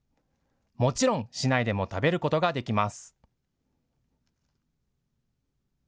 もちろん市内でも食べることができます。